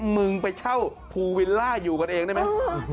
มึงไปเช่าภูวิลล่าอยู่กันเองได้ไหม